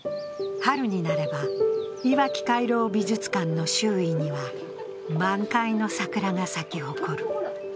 春になれば、いわき回廊美術館の周囲には満開の桜が咲き誇る。